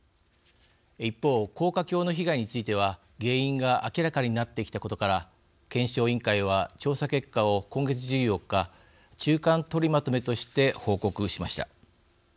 一方、高架橋の被害については原因が明らかになってきたことから検証委員会は調査結果を今月１４日中間取りまとめとして報告しました。